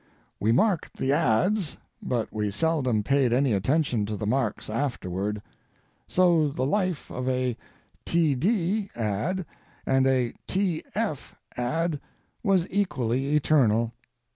We marked the ads, but we seldom paid any attention to the marks afterward; so the life of a "td" ad and a "tf" ad was equally eternal.